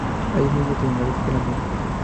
Allí mismo terminó la escuela media.